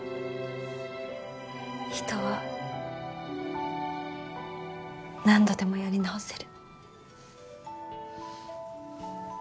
人は何度でもやり直せる。